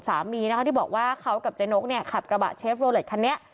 นานเขาไปบอกว่าเขากับเจ๊นกขับกระบะเชฟโรเลทคันนี้